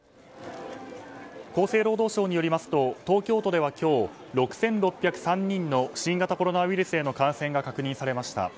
厚生労働省によりますと東京都では今日６６０３人の新型コロナウイルスへの感染が確認されました。